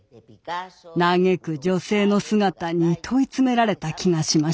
嘆く女性の姿に問い詰められた気がしました。